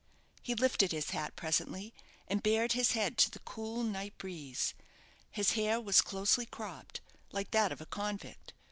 He lifted his hat presently, and bared his head to the cool night breeze. His hair was closely cropped, like that of a convict.